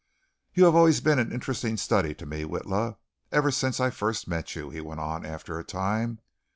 "You have always been an interesting study to me, Witla, ever since I first met you," he went on, after a time.